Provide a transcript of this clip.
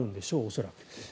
恐らく。